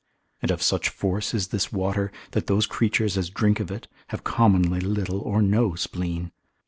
And of such force is this water, that those creatures as drink of it, have commonly little or no spleen.